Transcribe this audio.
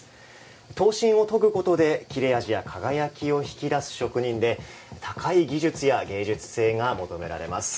刀身を磨くことで切れ味や輝きを引き出す職人で高い芸術性が求められます。